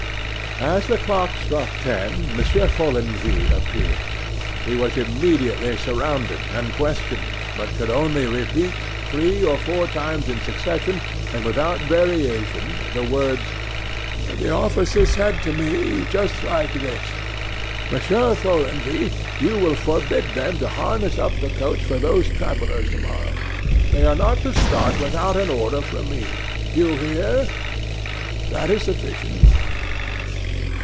As the clock struck ten, Monsieur Follenvie appeared. He was immediately surrounded and questioned, but could only repeat, three or four times in succession, and without variation, the words: "The officer said to me, just like this: 'Monsieur Follenvie, you will forbid them to harness up the coach for those travellers to morrow. They are not to start without an order from me. You hear? That is sufficient.'"